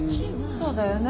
そうだよね。